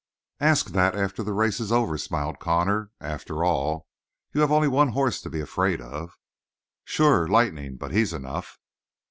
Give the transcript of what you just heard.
"Ask that after the race is over," smiled Connor. "After all, you have only one horse to be afraid of." "Sure; Lightnin' but he's enough."